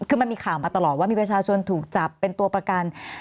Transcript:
คือมันมีข่าวมาตลอดว่ามีประชาชนถูกจับเป็นตัวประกัน